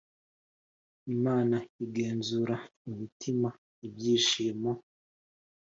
Imana igenzura imitima Ibyishimo